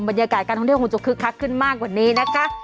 บรรยากาศการท่องเที่ยวคงจะคึกคักขึ้นมากกว่านี้นะคะ